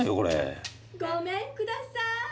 ・ごめんください。